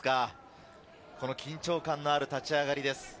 緊張感のある立ち上がりです。